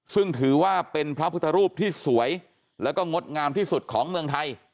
ซึ่งถือว่าเป็นพระพุทธรูปที่สวยแล้วก็งดงามที่สุดของเมืองไทย